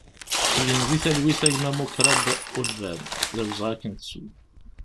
Gen di talwit a gma Mukrab Ulban, d awezɣi ad k-nettu!